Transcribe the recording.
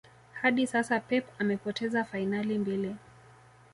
hadi sasa Pep amepoteza fainali mbili